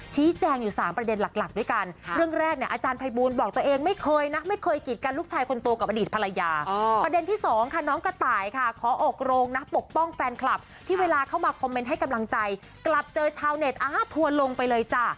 ที่เวลาเข้ามาคอมเมนต์ให้กำลังใจกลับเจอชาวเน็ตอ่าทวนลงไปเลยจ้ะ